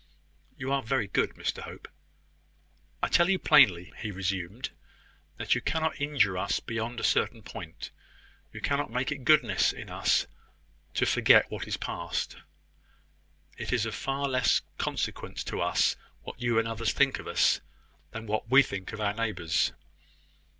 "You are very good, Mr Hope." "I tell you plainly," he resumed, "that you cannot injure us beyond a certain point. You cannot make it goodness in us to forget what is past. It is of far less consequence to us what you and others think of us than what we think of our neighbours.